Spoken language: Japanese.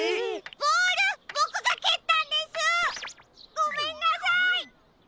ごめんなさい！